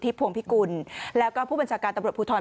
สุธิพรองพิกุลแล้วต์กาเลปของพุมปัญชาการตัวปศภูทร